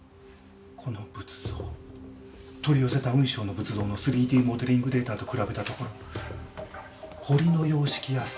この仏像取り寄せた雲尚の仏像の３Ｄモデリングデータと比べたところ彫りの様式やサイズの数値がほぼ一緒でした。